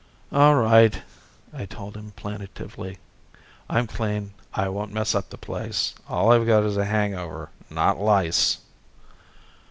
"All right," I told him plaintively. "I'm clean. I won't mess up the place. All I've got is a hangover, not lice."